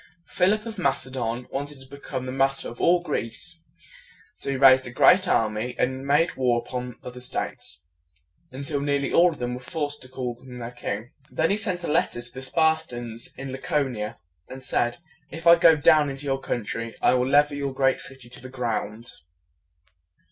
Philip of Mac e don wanted to become the master of all Greece. So he raised a great army, and made war upon the other states, until nearly all of them were forced to call him their king. Then he sent a letter to the Spartans in La co ni a, and said, "If I go down into your country, I will level your great city to the ground."